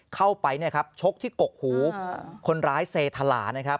เข้าไปเนี่ยครับชกที่กกหูคนร้ายเซธลานะครับ